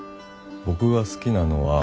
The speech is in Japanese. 僕が好きなのは。